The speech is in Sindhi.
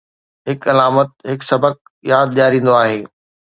هڪ علامت هڪ سبق ياد ڏياريندو آهي.